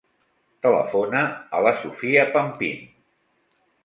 Telefona a la Sofía Pampin.